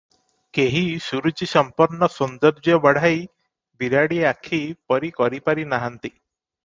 କେହି ସୁରୁଚିସମ୍ପନ୍ନ ସୌନ୍ଦର୍ଯ୍ୟ ବଢ଼ାଇ ବିରାଡ଼ି ଆଖି ପରି କରିପାରି ନାହାନ୍ତି ।